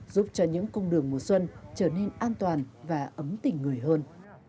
giúp cho những công đường mùa xuân trở nên an toàn và ấm tỉnh người hơn